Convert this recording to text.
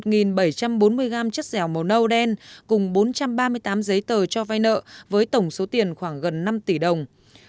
một mươi một bảy trăm bốn mươi gam chất dẻo màu nâu đen cùng bốn trăm ba mươi tám giấy tờ cho vai nợ với tổng số tiền khoảng gần năm tỷ đồng